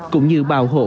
cũng như bảo hộ